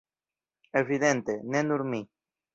Evidente, ne nur mi.